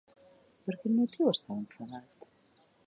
Per quin motiu estava enfadat?